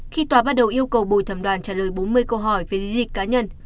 khi tòa bắt đầu yêu cầu bồi thẩm đoàn trả lời bốn mươi câu hỏi về lý lịch cá nhân